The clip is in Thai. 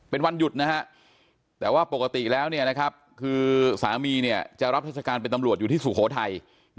เป็นวันหยุดนะฮะแต่ว่าปกติแล้วคือสามีจะรับราชการเป็นตำรวจอยู่ที่สุโขทัย